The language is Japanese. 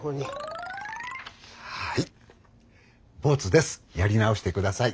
はい。